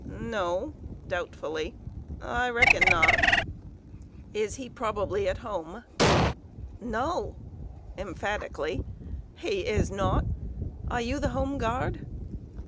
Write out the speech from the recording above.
"No" (doubtfully), "I reckon not." "Is he probably at home?" "No!" (emphatically). "He is not! Are you the Home Guard?"